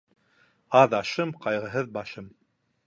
Аҙ ашым, ҡайғыһыҙ башым.